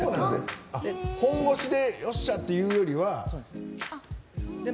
本腰でよっしゃっていうよりは。